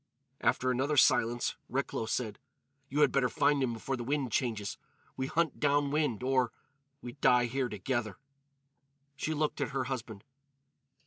After another silence, Recklow said: "You had better find him before the wind changes. We hunt down wind or—we die here together." She looked at her husband.